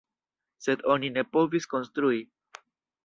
Sed oni ne povis konstrui.